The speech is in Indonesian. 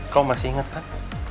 kamu masih inget kan